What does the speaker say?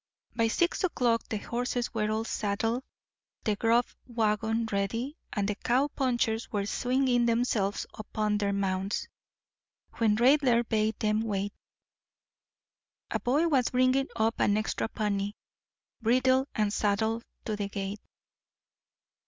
By six o'clock the horses were all saddled, the grub wagon ready, and the cow punchers were swinging themselves upon their mounts, when Raidler bade them wait. A boy was bringing up an extra pony, bridled and saddled, to the gate.